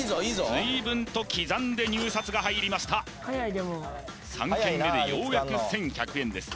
ずいぶんと刻んで入札が入りました３件目でようやく１１００円です